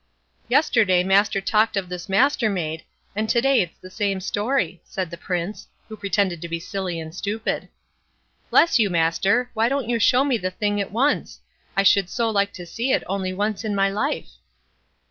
"Yesterday master talked of this Mastermaid, and to day it's the same story", said the Prince, who pretended to be silly and stupid. "Bless you, master! why don't you show me the thing at once? I should so like to see it only once in my life."